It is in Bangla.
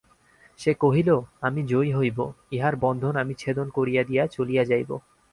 সে কহিল, আমি জয়ী হইব–ইহার বন্ধন আমি ছেদন করিয়া দিয়া চলিয়া যাইব।